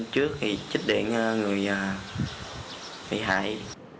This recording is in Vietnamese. trước thì chích điện người bị hại